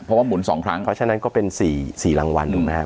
เพราะว่าหมุน๒ครั้งเพราะฉะนั้นก็เป็น๔รางวัลถูกไหมครับ